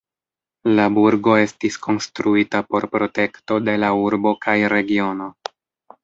La burgo estis konstruita por protekto de la urbo kaj regiono.